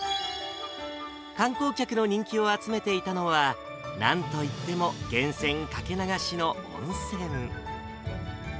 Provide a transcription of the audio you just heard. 観光客の人気を集めていたのは、なんといっても源泉かけ流しの温泉。